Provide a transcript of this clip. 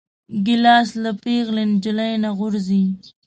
ګیلاس له پېغلې نجلۍ نه غورځي.